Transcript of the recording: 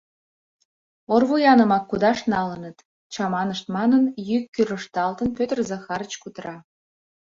Орвуянымак кудаш налыныт, — чаманышт манын, йӱк кӱрышталтын, Пӧтыр Захарыч кутыра.